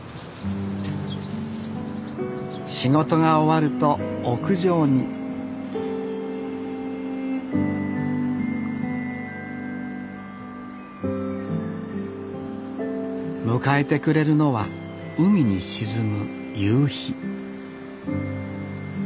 仕事が終わると屋上に迎えてくれるのは海に沈む夕日